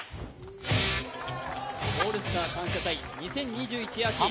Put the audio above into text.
「オールスター感謝祭２０２１秋」